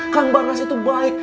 kang barnas itu baik